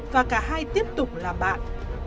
và cả hai tiếp tục làm bạn